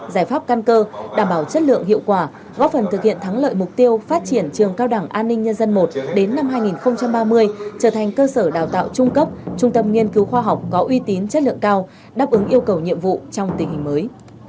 giải pháp căn cơ đảm bảo chất lượng hiệu quả góp phần thực hiện thắng lợi mục tiêu phát triển trường cao đẳng an ninh nhân dân i đến năm hai nghìn ba mươi trở thành cơ sở đào tạo trung cấp trung tâm nghiên cứu khoa học có uy tín chất lượng cao đáp ứng yêu cầu nhiệm vụ trong tình hình mới